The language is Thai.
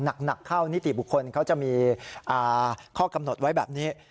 หนักเข้านิติบุคคลเขาจะมีข้อกำหนดไว้แบบนี้